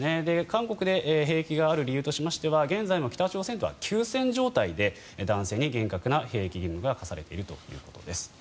韓国で兵役がある理由としましては現在も北朝鮮とは休戦状態で男性に厳格な兵役義務が課されているということです。